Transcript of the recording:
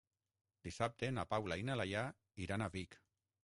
Dissabte na Paula i na Laia iran a Vic.